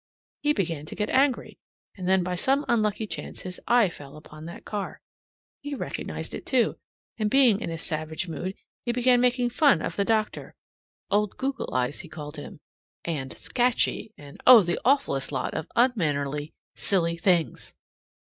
He began to get angry, and then by some unlucky chance his eye fell on that car. He recognized it, too, and, being in a savage mood, he began making fun of the doctor. "Old Goggle eyes" he called him, and "Scatchy," and oh, the awfullest lot of unmannerly, silly things!